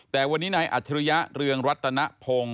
แต่วันนี้นายอัจฉริยะเรืองรัตนพงศ์